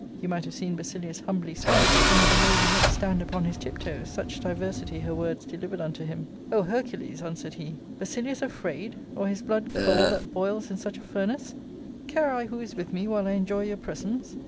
You might have seen Basilius humbly swell, and with a lowly look stand upon his tiptoes, such diversity her words delivered unto him. " O Hercules !" answered he, " Basilius afraid, or his blood cold that boils in such a fur nace ! Care I who is with me while I enjoy your presence